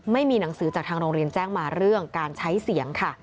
ไม่มีหนังสือจากทางโรงเรียนแจ้งมาเรื่องการใช้เสียงค่ะ